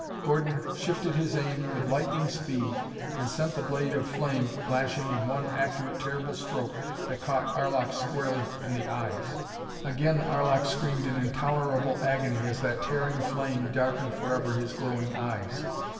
Gordon shifted his aim with lightning speed and sent the blade of flame lashing in one accurate terrible stroke that caught Arlok squarely in the eyes. Again Arlok screamed in intolerable agony as that tearing flame darkened forever his glowing eyes.